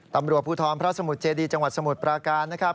ตำรวจภูทรพระสมุทรเจดีจังหวัดสมุทรปราการนะครับ